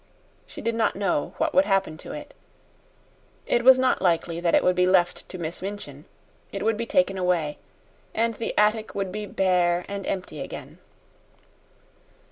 She did not know what would happen to it. It was not likely that it would be left to Miss Minchin. It would be taken away, and the attic would be bare and empty again.